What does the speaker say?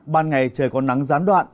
ban ngày trời còn nắng gián đoạn